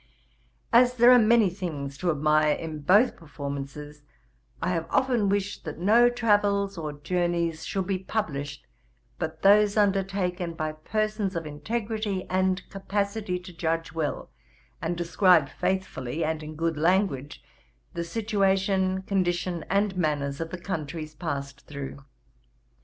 As there are many things to admire in both performances, I have often wished that no Travels or Journeys should be published but those undertaken by persons of integrity and capacity to judge well, and describe faithfully, and in good language, the situation, condition, and manners of the countries past through.